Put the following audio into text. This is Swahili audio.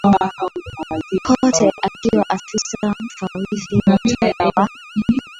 Coote akiwa Afisa Mfawidhi wa Utawala wa